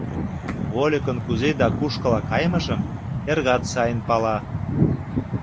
Вольыкын кузе да кушкыла кайымыжым эргат сайын пала.